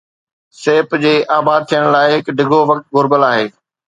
سيپ جي آباد ٿيڻ لاءِ هڪ ڊگهو وقت گهربل آهي.